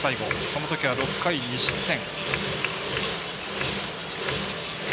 そのときは６回２失点。